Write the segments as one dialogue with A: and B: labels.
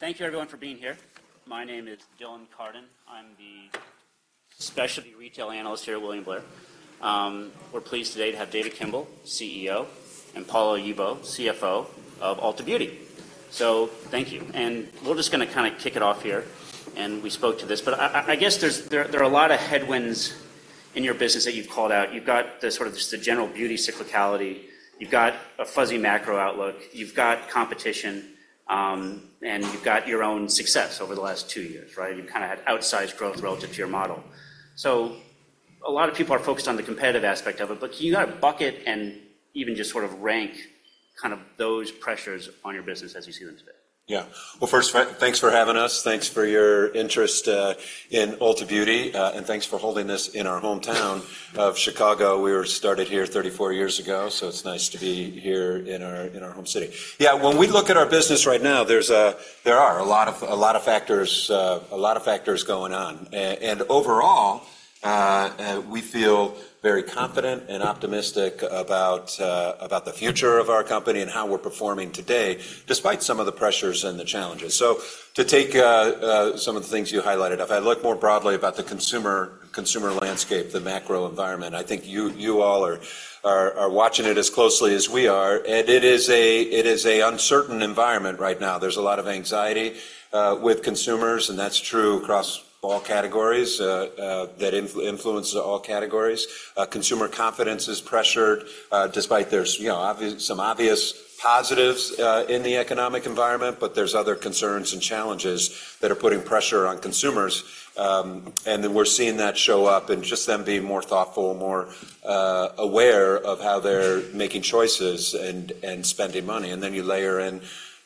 A: Thank you, everyone, for being here. My name is Dylan Cardin. I'm the Specialty Retail Analyst here at William Blair. We're pleased today to have David Kimbell, CEO, and Paula Oyibo, CFO of Ulta Beauty. So thank you. And we're just gonna kind of kick it off here, and we spoke to this, but I guess there are a lot of headwinds in your business that you've called out. You've got the sort of just the general beauty cyclicality, you've got a fuzzy macro outlook, you've got competition, and you've got your own success over the last two years, right? You've kind of had outsized growth relative to your model. A lot of people are focused on the competitive aspect of it, but can you kind of bucket and even just sort of rank kind of those pressures on your business as you see them today?
B: Yeah. Well, first, thanks for having us. Thanks for your interest in Ulta Beauty, and thanks for holding this in our hometown of Chicago. We were started here 34 years ago, so it's nice to be here in our home city. Yeah, when we look at our business right now, there are a lot of factors going on. And overall, we feel very confident and optimistic about the future of our company and how we're performing today, despite some of the pressures and the challenges. So to take some of the things you highlighted, if I look more broadly about the consumer landscape, the macro environment, I think you all are watching it as closely as we are, and it is an uncertain environment right now. There's a lot of anxiety with consumers, and that's true across all categories that influences all categories. Consumer confidence is pressured, despite there's, you know, some obvious positives in the economic environment, but there's other concerns and challenges that are putting pressure on consumers. And then we're seeing that show up and just them being more thoughtful, more aware of how they're making choices and spending money. And then you layer in,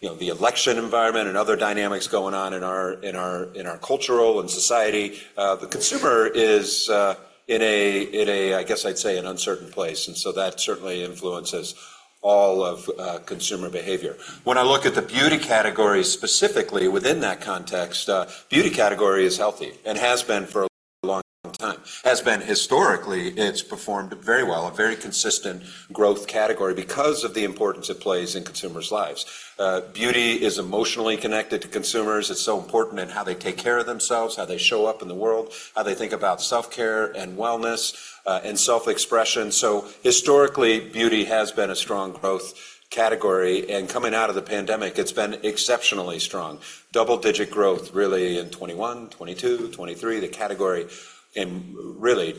B: you know, the election environment and other dynamics going on in our culture and society. The consumer is in a, I guess I'd say, an uncertain place, and so that certainly influences all of consumer behavior. When I look at the beauty category, specifically within that context, beauty category is healthy and has been for a long time. Has been historically, it's performed very well, a very consistent growth category because of the importance it plays in consumers' lives. Beauty is emotionally connected to consumers. It's so important in how they take care of themselves, how they show up in the world, how they think about self-care and wellness, and self-expression. So historically, beauty has been a strong growth category, and coming out of the pandemic, it's been exceptionally strong. Double-digit growth, really, in 2021, 2022, 2023. The category in really,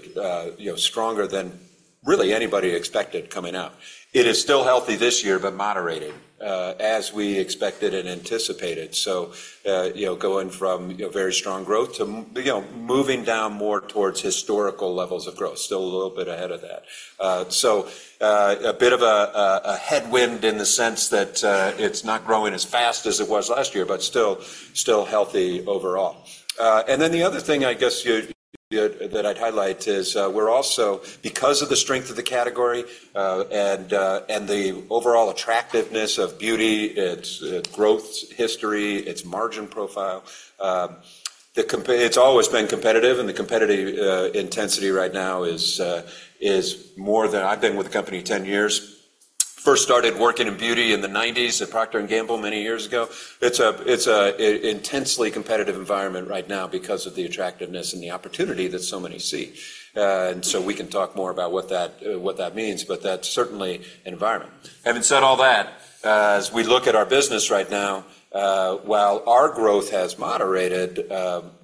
B: you know, stronger than really anybody expected coming out. It is still healthy this year, but moderated, as we expected and anticipated. So, you know, going from, you know, very strong growth to you know, moving down more towards historical levels of growth, still a little bit ahead of that. So, a bit of a headwind in the sense that, it's not growing as fast as it was last year, but still, still healthy overall. And then the other thing I guess that I'd highlight is, we're also, because of the strength of the category, and the overall attractiveness of beauty, its growth history, its margin profile. It's always been competitive, and the competitive intensity right now is more than... I've been with the company 10 years. First started working in beauty in the nineties at Procter & Gamble many years ago. It's an intensely competitive environment right now because of the attractiveness and the opportunity that so many see. And so we can talk more about what that means, but that's certainly environment. Having said all that, as we look at our business right now, while our growth has moderated,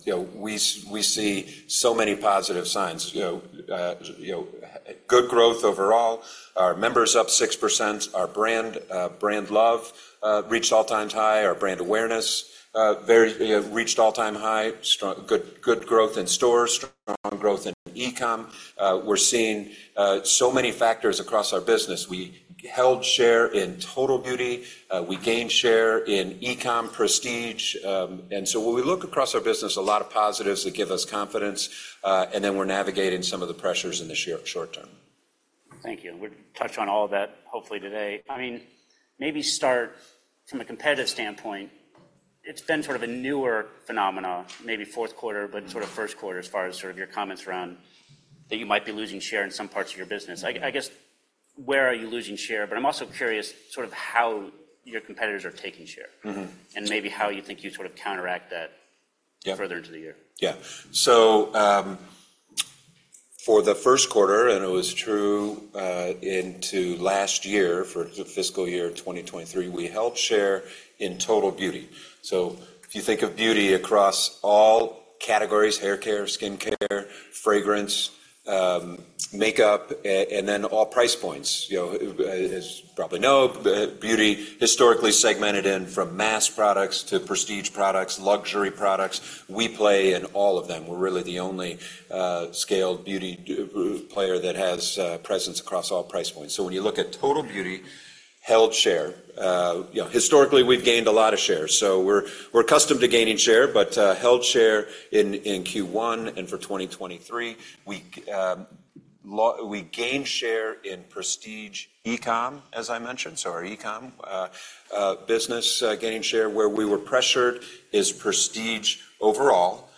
B: you know, we see so many positive signs. You know, you know, good growth overall. Our members up 6%. Our brand, brand love, reached all-time high. Our brand awareness, very, you know, reached all-time high. Good, good growth in stores, strong growth in e-com. We're seeing, so many factors across our business. We held share in total beauty. We gained share in e-com prestige. And so when we look across our business, a lot of positives that give us confidence, and then we're navigating some of the pressures in the short term.
A: Thank you. We'll touch on all of that hopefully today. I mean, maybe start from a competitive standpoint. It's been sort of a newer phenomenon, maybe fourth quarter, but sort of first quarter as far as sort of your comments around that you might be losing share in some parts of your business. I guess, where are you losing share? But I'm also curious sort of how your competitors are taking share-
B: Mm-hmm.
A: and maybe how you think you sort of counteract that-
B: Yeah...
A: further into the year.
B: Yeah. So, for the first quarter, and it was true, into last year, for the fiscal year 2023, we held share in total beauty. So if you think of beauty across all categories: hair care, skin care, fragrance, makeup, and then all price points, you know, as you probably know, beauty historically segmented in from mass products to prestige products, luxury products, we play in all of them. We're really the only, scaled beauty, player that has, presence across all price points. So when you look at total beauty, held share. You know, historically, we've gained a lot of shares, so we're, we're accustomed to gaining share, but, held share in, in Q1 and for 2023. We, we gained share in prestige e-com, as I mentioned, so our e-com, business, gaining share. Where we were pressured is prestige overall,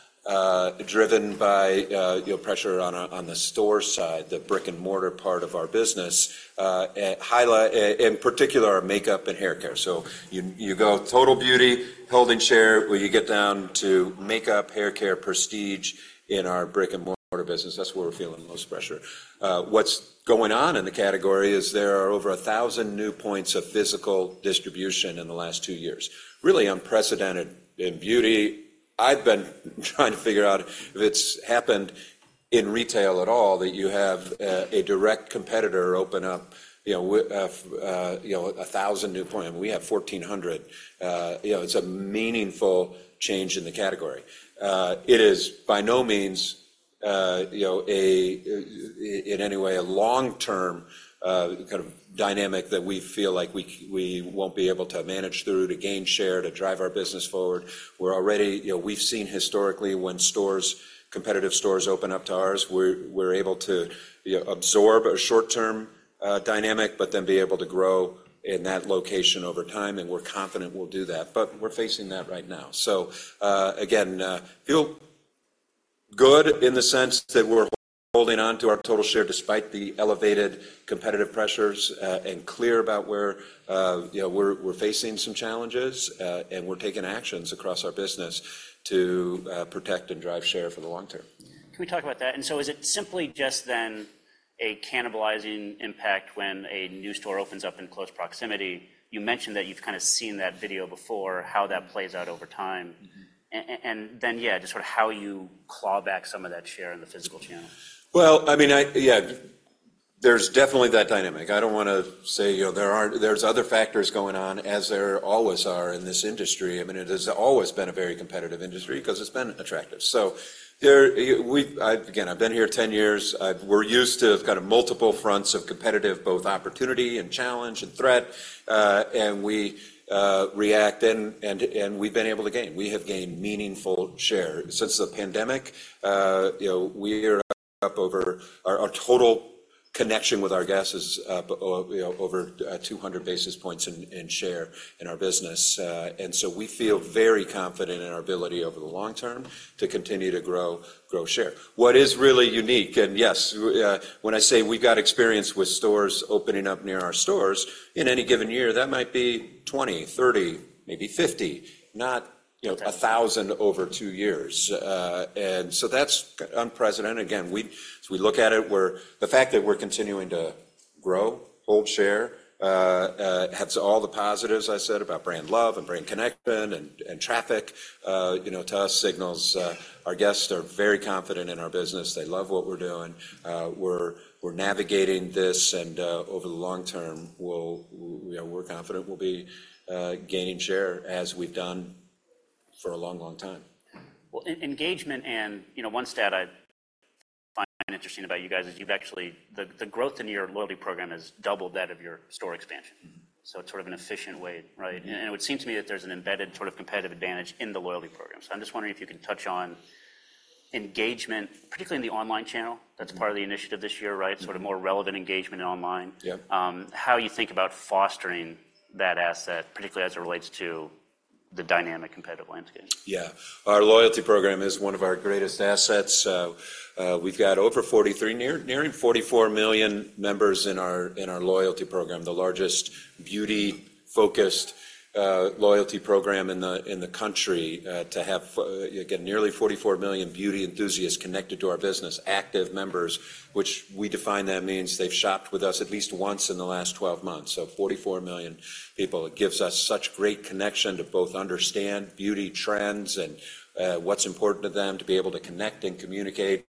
B: driven by, you know, pressure on the store side, the brick-and-mortar part of our business, and highly in particular, our makeup and hair care. So you go total beauty, holding share, when you get down to makeup, hair care, prestige in our brick-and-mortar business, that's where we're feeling the most pressure. What's going on in the category is there are over 1,000 new points of physical distribution in the last two years. Really unprecedented in beauty. I've been trying to figure out if it's happened in retail at all, that you have a direct competitor open up, you know, 1,000 new points, and we have 1,400. You know, it's a meaningful change in the category. It is by no means, you know, in any way, a long-term kind of dynamic that we feel like we won't be able to manage through to gain share, to drive our business forward. We're already you know, we've seen historically when stores, competitive stores open up to ours, we're able to you know, absorb a short-term dynamic, but then be able to grow in that location over time, and we're confident we'll do that, but we're facing that right now. So, again, feel good in the sense that we're holding on to our total share, despite the elevated competitive pressures, and clear about where you know, we're facing some challenges, and we're taking actions across our business to protect and drive share for the long term.
A: Can we talk about that? So is it simply just then a cannibalizing impact when a new store opens up in close proximity? You mentioned that you've kind of seen that video before, how that plays out over time.
B: Mm-hmm.
A: And then, yeah, just sort of how you claw back some of that share in the physical channel.
B: Well, I mean, yeah, there's definitely that dynamic. I don't want to say, you know, there aren't, there's other factors going on, as there always are in this industry. I mean, it has always been a very competitive industry because it's been attractive. So, I've, again, I've been here 10 years. We're used to kind of multiple fronts of competitive, both opportunity and challenge and threat, and we react, and, and, and we've been able to gain. We have gained meaningful share. Since the pandemic, you know, we are up over our, our total connection with our guests is, you know, over, 200 basis points in, in share in our business. And so we feel very confident in our ability over the long term to continue to grow, grow share. What is really unique, and yes, when I say we've got experience with stores opening up near our stores, in any given year, that might be 20, 30, maybe 50, not, you know-
A: Okay...
B: 1,000 over two years. And so that's unprecedented. Again, we, as we look at it, we're the fact that we're continuing to grow, hold share, has all the positives I said about brand love and brand connection and traffic, you know, to us, signals our guests are very confident in our business. They love what we're doing. We're navigating this, and over the long term, you know, we're confident we'll be gaining share as we've done for a long, long time.
A: Well, engagement and, you know, one stat I find interesting about you guys is you've actually... The growth in your loyalty program has doubled that of your store expansion.
B: Mm-hmm.
A: It's sort of an efficient way, right?
B: Mm-hmm.
A: It would seem to me that there's an embedded sort of competitive advantage in the loyalty program. I'm just wondering if you can touch on engagement, particularly in the online channel.
B: Mm-hmm.
A: That's part of the initiative this year, right?
B: Mm-hmm.
A: Sort of more relevant engagement in online.
B: Yep.
A: How do you think about fostering that asset, particularly as it relates to the dynamic competitive landscape?
B: Yeah. Our loyalty program is one of our greatest assets. We've got over 43, nearing 44 million members in our loyalty program, the largest beauty-focused loyalty program in the country to have, again, nearly 44 million beauty enthusiasts connected to our business, active members, which we define that means they've shopped with us at least once in the last 12 months. So 44 million people. It gives us such great connection to both understand beauty trends and what's important to them, to be able to connect and communicate.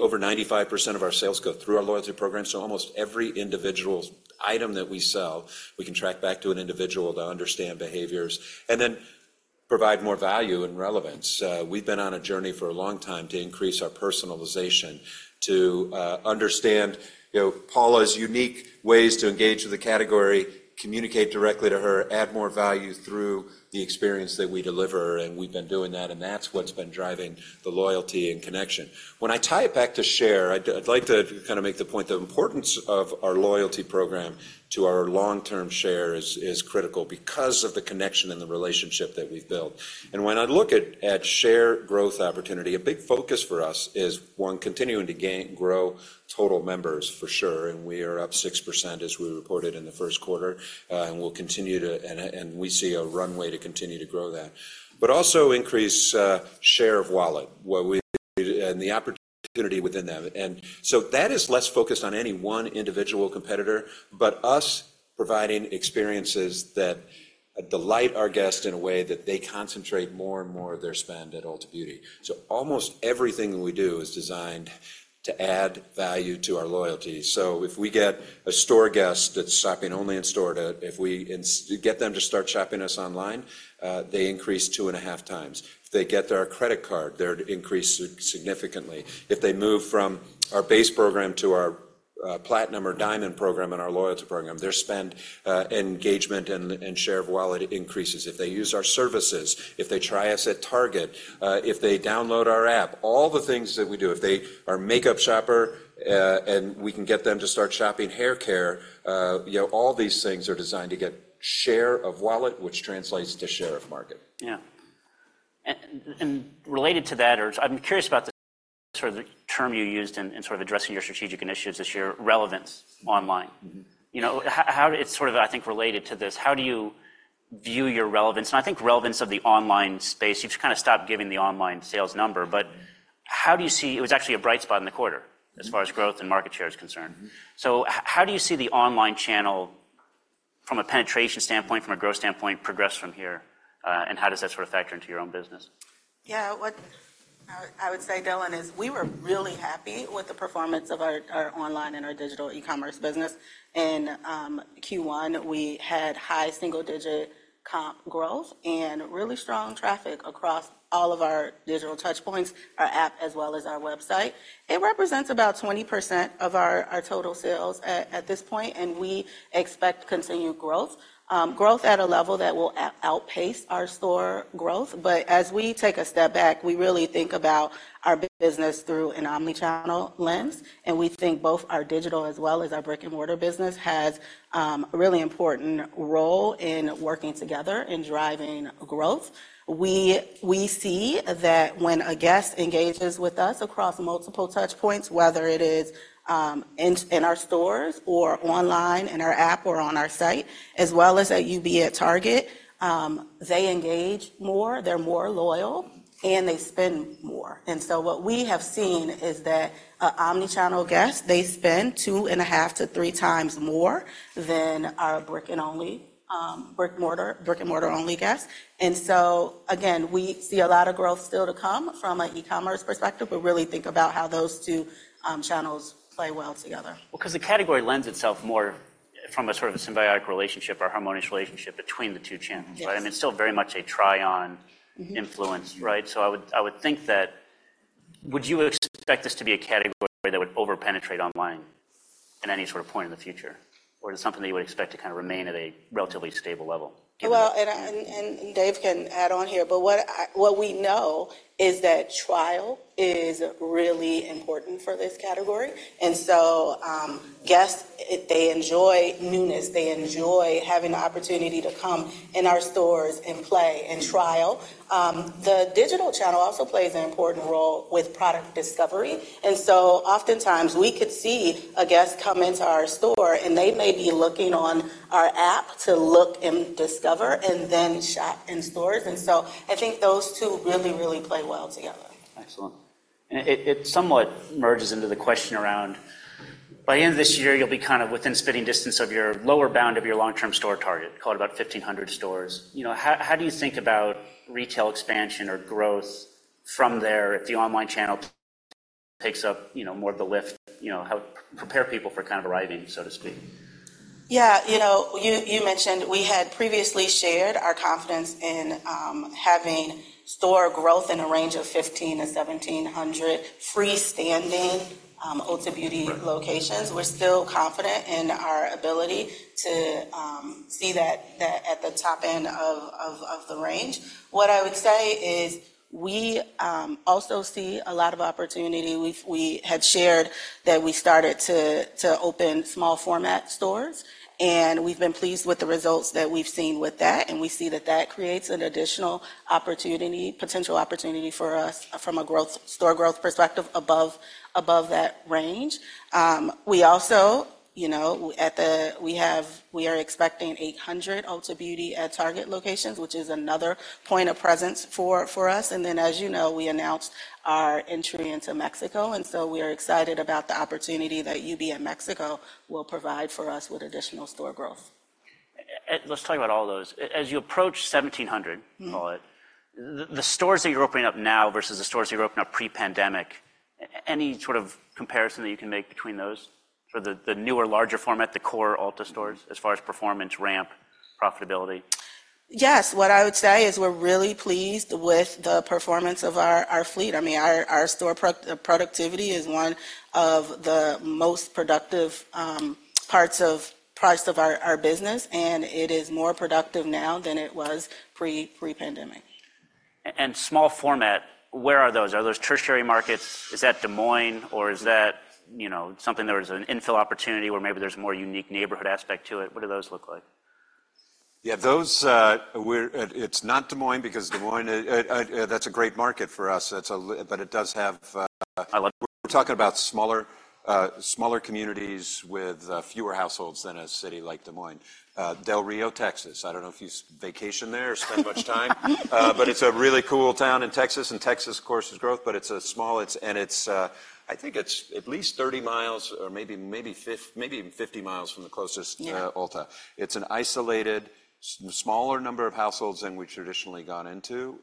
B: Over 95% of our sales go through our loyalty program, so almost every individual item that we sell, we can track back to an individual to understand behaviors and then provide more value and relevance. We've been on a journey for a long time to increase our personalization, to understand, you know, Paula's unique ways to engage with the category, communicate directly to her, add more value through the experience that we deliver, and we've been doing that, and that's what's been driving the loyalty and connection. When I tie it back to share, I'd, I'd like to kind of make the point, the importance of our loyalty program to our long-term share is, is critical because of the connection and the relationship that we've built. And when I look at, at share growth opportunity, a big focus for us is, one, continuing to gain, grow total members for sure, and we are up 6%, as we reported in the first quarter, and we'll continue to... and we see a runway to continue to grow that, but also increase share of wallet and the opportunity within that. And so that is less focused on any one individual competitor, but us providing experiences that delight our guests in a way that they concentrate more and more of their spend at Ulta Beauty. So almost everything we do is designed to add value to our loyalty. So if we get a store guest that's shopping only in store, if we get them to start shopping us online, they increase 2.5 times. If they get our credit card, they're increased significantly. If they move from our base program to our platinum or diamond program in our loyalty program, their spend, engagement, and share of wallet increases. If they use our services, if they try us at Target, if they download our app, all the things that we do, if they are a makeup shopper, and we can get them to start shopping hair care, you know, all these things are designed to get share of wallet, which translates to share of market.
A: Yeah. And related to that, or I'm curious about the sort of term you used in sort of addressing your strategic initiatives this year, relevance online.
B: Mm-hmm.
A: You know, how-- it's sort of, I think, related to this: how do you view your relevance, and I think relevance of the online space? You've kind of stopped giving the online sales number, but- How do you see... It was actually a bright spot in the quarter.
B: Mm-hmm.
A: as far as growth and market share is concerned.
B: Mm-hmm.
A: So how do you see the online channel from a penetration standpoint, from a growth standpoint, progress from here, and how does that sort of factor into your own business?
C: Yeah, what I would, I would say, Dylan, is we were really happy with the performance of our, our online and our digital e-commerce business. In Q1, we had high single-digit comp growth and really strong traffic across all of our digital touch points, our app, as well as our website. It represents about 20% of our, our total sales at, at this point, and we expect continued growth. Growth at a level that will outpace our store growth. But as we take a step back, we really think about our business through an omni-channel lens, and we think both our digital as well as our brick-and-mortar business has a really important role in working together in driving growth. We see that when a guest engages with us across multiple touch points, whether it is in our stores or online, in our app or on our site, as well as at Ulta Beauty at Target, they engage more, they're more loyal, and they spend more. And so what we have seen is that an omnichannel guest, they spend 2.5 to three times more than our brick-and-mortar-only guest. And so again, we see a lot of growth still to come from an e-commerce perspective, but really think about how those two channels play well together.
A: Well, 'cause the category lends itself more from a sort of a symbiotic relationship or harmonious relationship between the two channels, right?
C: Yes.
A: I mean, it's still very much a try-on-
C: Mm-hmm
A: -influence, right? So I would think that... Would you expect this to be a category that would over-penetrate online in any sort of point in the future, or is it something that you would expect to kind of remain at a relatively stable level?
C: Well, Dave can add on here, but what we know is that trial is really important for this category. And so, guests, they enjoy newness, they enjoy having the opportunity to come in our stores and play and trial. The digital channel also plays an important role with product discovery. And so oftentimes, we could see a guest come into our store, and they may be looking on our app to look and discover, and then shop in stores. And so I think those two really, really play well together.
A: Excellent. It somewhat merges into the question around: by the end of this year, you'll be kind of within spitting distance of your lower bound of your long-term store target, call it about 1,500 stores. You know, how do you think about retail expansion or growth from there if the online channel takes up, you know, more of the lift? You know, how to prepare people for kind of arriving, so to speak?
C: Yeah, you know, you mentioned we had previously shared our confidence in having store growth in a range of 1,500-1,700 freestanding Ulta Beauty-
B: Right
C: -locations. We're still confident in our ability to see that at the top end of the range. What I would say is we also see a lot of opportunity. We had shared that we started to open small format stores, and we've been pleased with the results that we've seen with that, and we see that that creates an additional opportunity, potential opportunity for us from a growth, store growth perspective above that range. We also, you know, we are expecting 800 Ulta Beauty at Target locations, which is another point of presence for us. And then, as you know, we announced our entry into Mexico, and so we are excited about the opportunity that Ulta Beauty in Mexico will provide for us with additional store growth.
A: Let's talk about all those. As you approach 1,700-
C: Mm-hmm.
A: Call it the stores that you're opening up now versus the stores you're opening up pre-pandemic, any sort of comparison that you can make between those? For the newer, larger format, the core Ulta stores, as far as performance, ramp, profitability.
C: Yes. What I would say is we're really pleased with the performance of our fleet. I mean, our store productivity is one of the most productive parts of our business, and it is more productive now than it was pre-pandemic.
A: Small format, where are those? Are those tertiary markets? Is that Des Moines, or is that, you know, something that was an infill opportunity, where maybe there's more unique neighborhood aspect to it? What do those look like?
B: Yeah, those. It's not Des Moines, because Des Moines, that's a great market for us. It's a little, but it does have,
A: I like-
B: We're talking about smaller communities with fewer households than a city like Des Moines. Del Rio, Texas, I don't know if you vacation there or spend much time—but it's a really cool town in Texas, and Texas, of course, is growth, but it's a small, it's. And it's, I think it's at least 30 miles or maybe 50 miles from the closest-
C: Yeah
B: Ulta. It's an isolated, smaller number of households than we've traditionally gone into,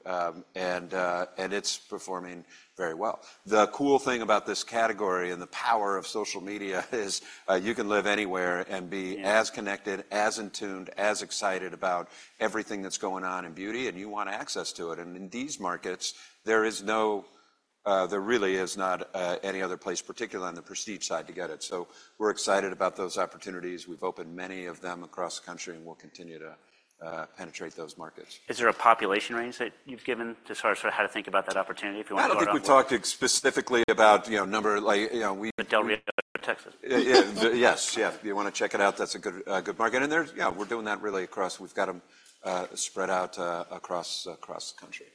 B: and it's performing very well. The cool thing about this category and the power of social media is, you can live anywhere and be-
A: Yeah
B: as connected, as in tuned, as excited about everything that's going on in beauty, and you want access to it. And in these markets, there is no, there really is not, any other place, particularly on the prestige side, to get it. So we're excited about those opportunities. We've opened many of them across the country and will continue to penetrate those markets.
A: Is there a population range that you've given as far as how to think about that opportunity, if you want to?
B: I don't think we've talked specifically about, you know, number, like, you know, we-
A: The Del Rio, Texas.
B: Yeah, yes, yeah. If you want to check it out, that's a good, good market. Yeah, we're doing that really across the country. We've got them spread out across the country.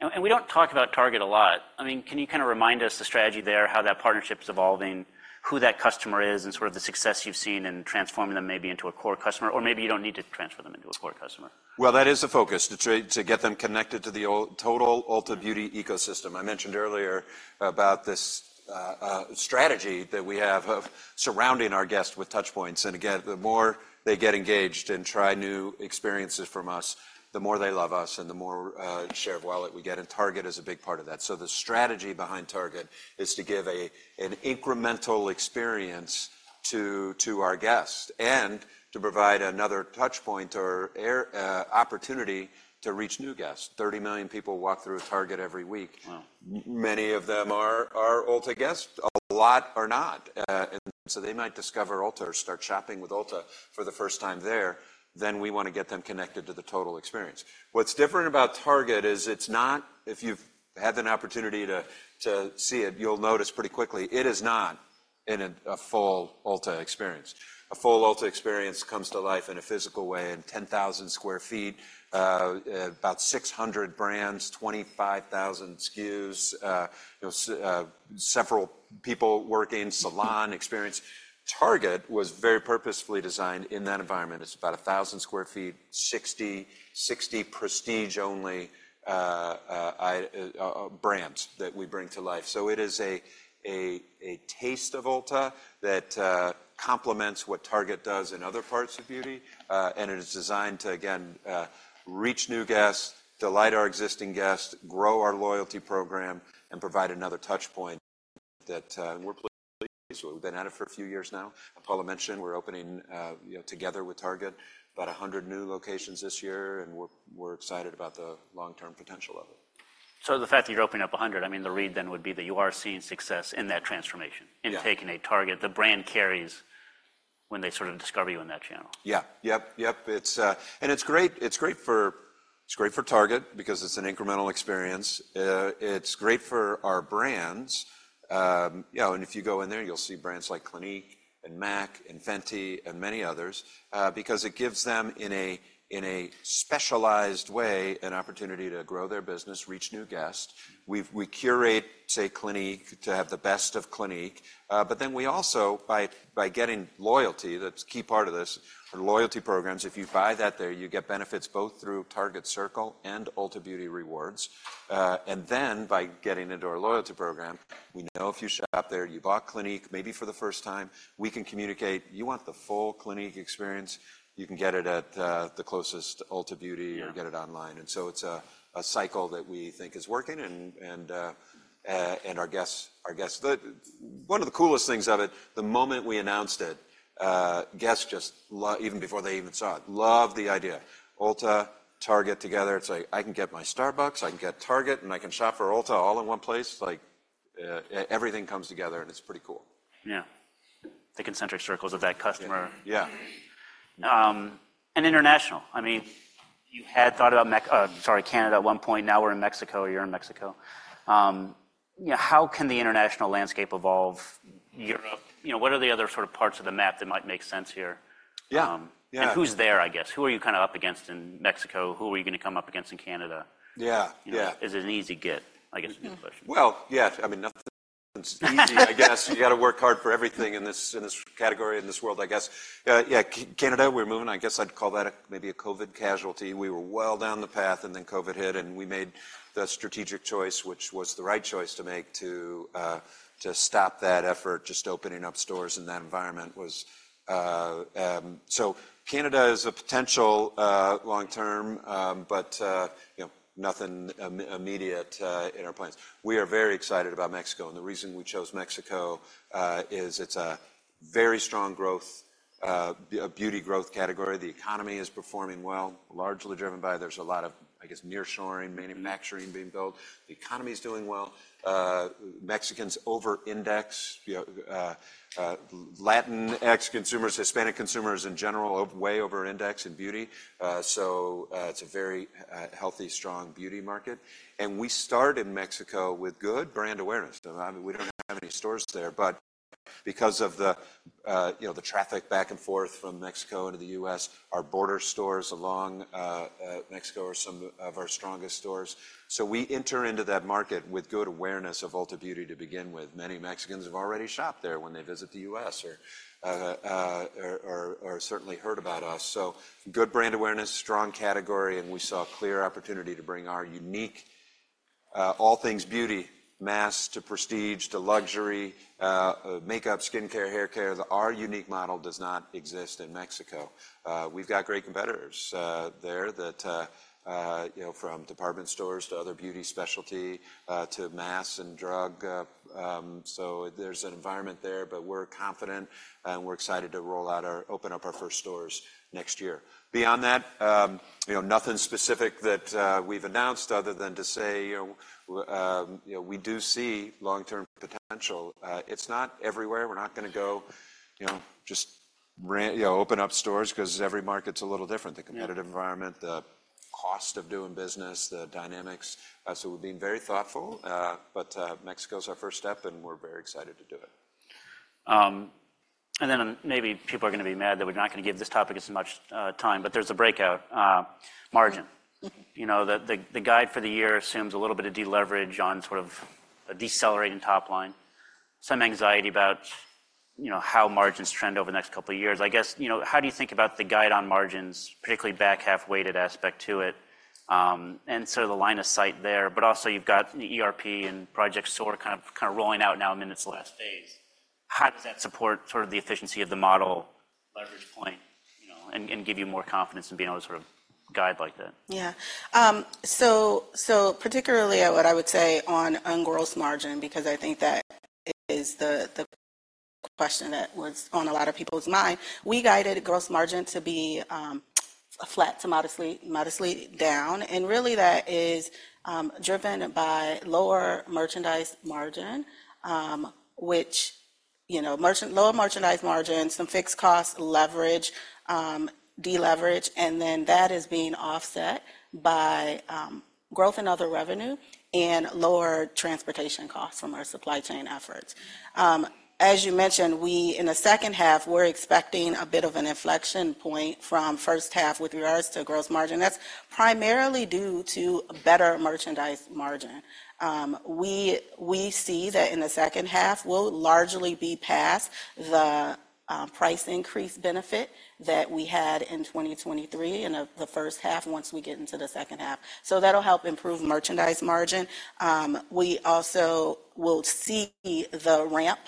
A: And we don't talk about Target a lot. I mean, can you kind of remind us the strategy there, how that partnership's evolving, who that customer is, and sort of the success you've seen in transforming them maybe into a core customer? Or maybe you don't need to transfer them into a core customer.
B: Well, that is the focus, to try to get them connected to the total Ulta Beauty ecosystem. I mentioned earlier about this strategy that we have of surrounding our guests with touchpoints. And again, the more they get engaged and try new experiences from us, the more they love us and the more share of wallet we get, and Target is a big part of that. So the strategy behind Target is to give an incremental experience to our guests and to provide another touchpoint or opportunity to reach new guests. 30 million people walk through a Target every week.
A: Wow!
B: Many of them are Ulta guests, a lot are not. And so they might discover Ulta or start shopping with Ulta for the first time there, then we want to get them connected to the total experience. What's different about Target is it's not. If you've had an opportunity to see it, you'll notice pretty quickly, it is not a full Ulta experience. A full Ulta experience comes to life in a physical way, in 10,000 sq ft, about 600 brands, 25,000 SKUs, you know, several people working, salon experience. Target was very purposefully designed in that environment. It's about 1,000 sq ft, 60 prestige-only brands that we bring to life. So it is a taste of Ulta that complements what Target does in other parts of beauty, and it is designed to, again, reach new guests, delight our existing guests, grow our loyalty program, and provide another touch point that we're pleased with. We've been at it for a few years now. Paula mentioned we're opening, you know, together with Target, about 100 new locations this year, and we're excited about the long-term potential of it.
A: The fact that you're opening up 100, I mean, the read then would be that you are seeing success in that transformation.
B: Yeah...
A: in taking at Target. The brand carries when they sort of discover you in that channel.
B: Yeah. Yep, yep. It's great, it's great for Target because it's an incremental experience. It's great for our brands. You know, and if you go in there, you'll see brands like Clinique and MAC and Fenty and many others, because it gives them in a specialized way an opportunity to grow their business, reach new guests. We curate, say, Clinique, to have the best of Clinique, but then we also by getting loyalty, that's a key part of this, our loyalty programs, if you buy that there, you get benefits both through Target Circle and Ulta Beauty Rewards. and then by getting into our loyalty program, we know if you shop there, you bought Clinique, maybe for the first time, we can communicate: "You want the full Clinique experience, you can get it at the closest Ulta Beauty-
A: Yeah
B: - or get it online." And so it's a cycle that we think is working, and our guests. One of the coolest things of it, the moment we announced it, guests just loved the idea even before they even saw it. Ulta, Target together, it's like, I can get my Starbucks, I can get Target, and I can shop for Ulta all in one place. Like, everything comes together, and it's pretty cool.
A: Yeah. The concentric circles of that customer.
B: Yeah.
A: And international, I mean, you had thought about Mex- sorry, Canada at one point. Now we're in Mexico. You're in Mexico. You know, how can the international landscape evolve Europe? You know, what are the other sort of parts of the map that might make sense here?
B: Yeah, yeah.
A: Who's there, I guess? Who are you kind of up against in Mexico? Who are you going to come up against in Canada?
B: Yeah, yeah.
A: Is it an easy get, I guess, is the question?
B: Well, yeah, I mean, nothing's easy, I guess. You got to work hard for everything in this, in this category, in this world, I guess. Yeah, Canada, we're moving. I guess I'd call that a maybe a COVID casualty. We were well down the path, and then COVID hit, and we made the strategic choice, which was the right choice to make, to stop that effort. Just opening up stores in that environment was... So Canada is a potential, long term, but, you know, nothing immediate, in our plans. We are very excited about Mexico, and the reason we chose Mexico, is it's a very strong growth, a beauty growth category. The economy is performing well, largely driven by there's a lot of, I guess, nearshoring, manufacturing being built. The economy is doing well. Mexicans over index, you know, Latinx consumers, Hispanic consumers in general, way over index in beauty. So it's a very healthy, strong beauty market. We start in Mexico with good brand awareness. I mean, we don't have any stores there, but because of, you know, the traffic back and forth from Mexico into the U.S., our border stores along Mexico are some of our strongest stores. So we enter into that market with good awareness of Ulta Beauty to begin with. Many Mexicans have already shopped there when they visit the U.S. or certainly heard about us. So good brand awareness, strong category, and we saw a clear opportunity to bring our unique all things beauty, mass to prestige, to luxury, makeup, skincare, haircare. Our unique model does not exist in Mexico. We've got great competitors there that, you know, from department stores to other beauty specialty to mass and drug, so there's an environment there, but we're confident, and we're excited to roll out our-- open up our first stores next year. Beyond that, you know, nothing specific that we've announced other than to say, you know, you know, we do see long-term potential. It's not everywhere. We're not gonna go, you know, just ran-- you know, open up stores 'cause every market's a little different-
A: Yeah...
B: the competitive environment, the cost of doing business, the dynamics. So we're being very thoughtful, but Mexico is our first step, and we're very excited to do it....
A: and then maybe people are gonna be mad that we're not gonna give this topic as much time, but there's a breakout margin. You know, the guide for the year assumes a little bit of deleverage on sort of a decelerating top line. Some anxiety about, you know, how margins trend over the next couple of years. I guess, you know, how do you think about the guide on margins, particularly back half-weighted aspect to it, and so the line of sight there, but also you've got the ERP and project sort of kind of rolling out now in its last phase. How does that support sort of the efficiency of the model leverage point, you know, and give you more confidence in being able to sort of guide like that?
C: Yeah. So particularly what I would say on gross margin, because I think that is the question that was on a lot of people's mind, we guided gross margin to be flat to modestly, modestly down, and really that is driven by lower merchandise margin, which, you know, lower merchandise margin, some fixed cost leverage, deleverage, and then that is being offset by growth in other revenue and lower transportation costs from our supply chain efforts. As you mentioned, we in the second half, we're expecting a bit of an inflection point from first half with regards to gross margin. That's primarily due to better merchandise margin. We see that in the second half, we'll largely be past the price increase benefit that we had in 2023 and of the first half once we get into the second half. So that'll help improve merchandise margin. We also will see the ramp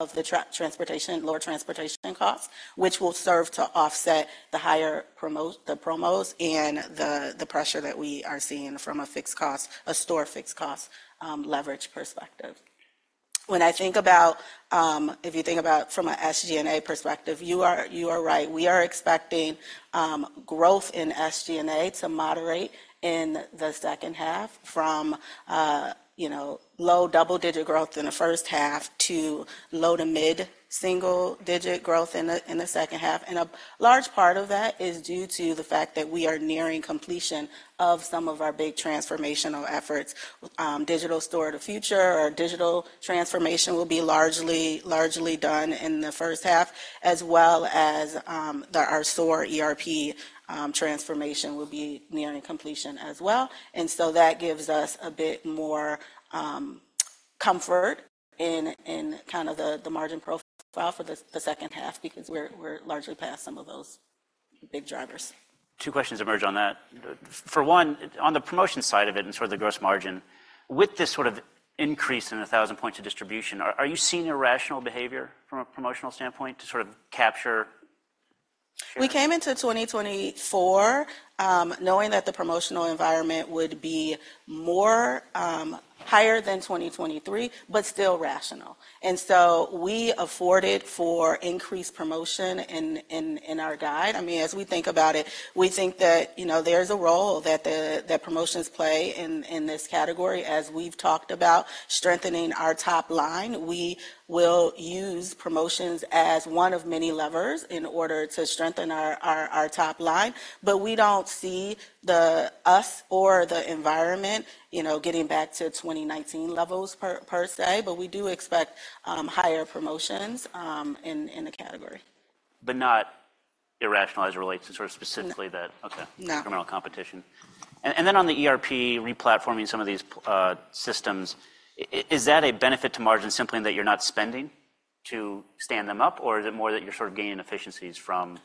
C: of the transportation, lower transportation costs, which will serve to offset the higher promos and the pressure that we are seeing from a fixed cost, a store fixed cost, leverage perspective. When I think about, if you think about from a SG&A perspective, you are right. We are expecting growth in SG&A to moderate in the second half from, you know, low double-digit growth in the first half to low to mid-single digit growth in the second half. A large part of that is due to the fact that we are nearing completion of some of our big transformational efforts. Digital Store of the Future or digital transformation will be largely done in the first half, as well as our store ERP transformation will be nearing completion as well. So that gives us a bit more comfort in kind of the margin profile for the second half because we're largely past some of those big drivers.
A: Two questions emerge on that. For one, on the promotion side of it and sort of the gross margin, with this sort of increase in 1,000 points of distribution, are you seeing irrational behavior from a promotional standpoint to sort of capture?
C: We came into 2024, knowing that the promotional environment would be more higher than 2023, but still rational. So we afforded for increased promotion in our guide. I mean, as we think about it, we think that, you know, there's a role that that promotions play in this category. As we've talked about strengthening our top line, we will use promotions as one of many levers in order to strengthen our top line. But we don't see the us or the environment, you know, getting back to 2019 levels per se, but we do expect higher promotions in the category.
A: But not irrational as it relates to sort of specifically the-
C: No.
A: Okay.
C: No.
A: Criminal competition. And then on the ERP re-platforming some of these systems, is that a benefit to margin simply that you're not spending to stand them up? Or is it more that you're sort of gaining efficiencies from?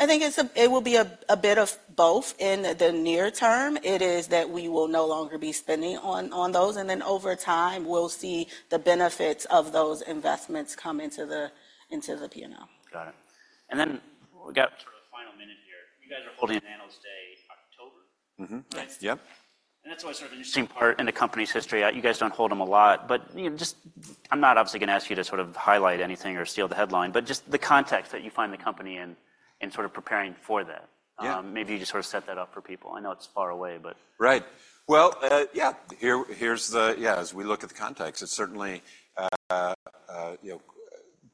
C: I think it will be a bit of both in the near term. It is that we will no longer be spending on those, and then over time, we'll see the benefits of those investments come into the P&L.
A: Got it. And then we got sort of a final minute here. You guys are holding Analyst Day, October?
B: Mm-hmm.
A: Right?
B: Yep.
A: That's always sort of an interesting part in the company's history. You guys don't hold them a lot, but, you know, just... I'm not obviously gonna ask you to sort of highlight anything or steal the headline, but just the context that you find the company in, in sort of preparing for that.
B: Yeah.
A: Maybe you just sort of set that up for people. I know it's far away, but-
B: Right. Well, yeah, here, here's the-- yeah, as we look at the context, it's certainly, you know,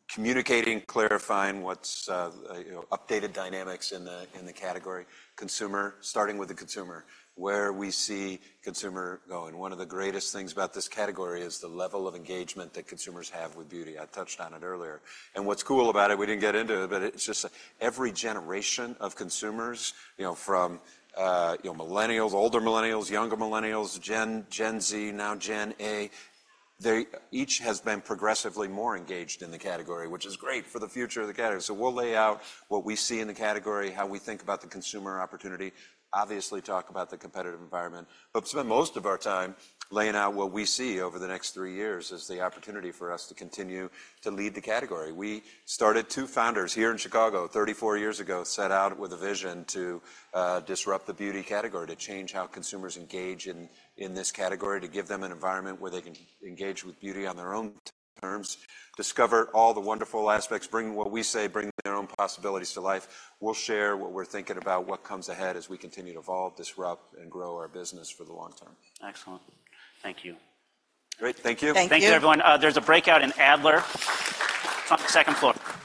B: communicating, clarifying what's, you know, updated dynamics in the, in the category. Consumer, starting with the consumer, where we see consumer going. One of the greatest things about this category is the level of engagement that consumers have with beauty. I touched on it earlier. What's cool about it, we didn't get into it, but it's just every generation of consumers, you know, from, you know, millennials, older millennials, younger Millennials, Gen Z, now Gen A, they each has been progressively more engaged in the category, which is great for the future of the category. So we'll lay out what we see in the category, how we think about the consumer opportunity, obviously, talk about the competitive environment, but spend most of our time laying out what we see over the next three years as the opportunity for us to continue to lead the category. We started two founders here in Chicago 34 years ago, set out with a vision to disrupt the beauty category, to change how consumers engage in, in this category, to give them an environment where they can engage with beauty on their own terms, discover all the wonderful aspects, bring what we say, "Bring their own possibilities to life." We'll share what we're thinking about, what comes ahead as we continue to evolve, disrupt, and grow our business for the long term.
A: Excellent. Thank you.
B: Great. Thank you.
C: Thank you.
A: Thanks, everyone. There's a breakout in Adler on the second floor.